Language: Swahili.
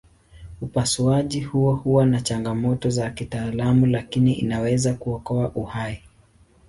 Upasuaji huo huwa na changamoto za kitaalamu lakini inaweza kuokoa uhai.